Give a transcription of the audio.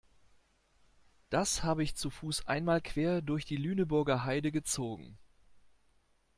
Das habe ich zu Fuß einmal quer durch die Lüneburger Heide gezogen.